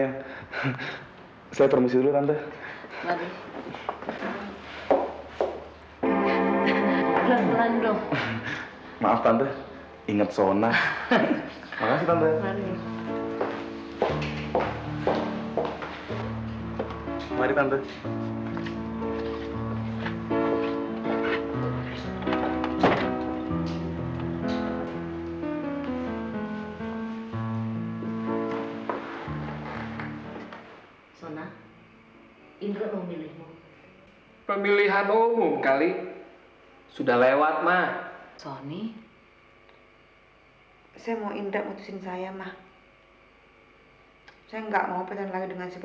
universitas kita menang universitas kawan semuanya makan tahu dan tempe